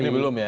ini belum ya